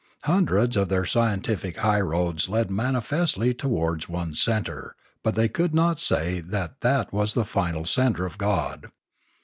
Hundreds of their scientific highroads led* manifestly towards one centre; but they could not say that that was the final centre or God.